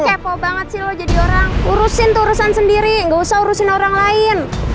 cepo banget sih lu jadi orang urusin tuh urusan sendiri nggak usah urusin orang lain